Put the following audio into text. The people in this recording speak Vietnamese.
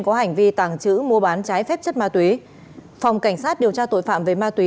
có hành vi tàng trữ mua bán trái phép chất ma túy phòng cảnh sát điều tra tội phạm về ma túy